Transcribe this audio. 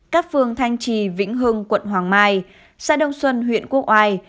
các phương thanh trì vĩnh hưng quận hoàng mai xã đông xuân huyện quốc oai